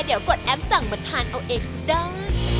เดี๋ยวกดแอปสั่งมาทานเอาเองเด้อ